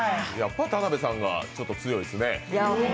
田辺さんがやっぱ強いですね。